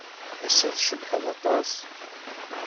Ass-a, tcebḥed aṭas.